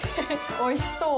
おいしそう！